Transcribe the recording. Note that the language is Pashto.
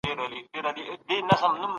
په هر کار کې فکر وکړئ.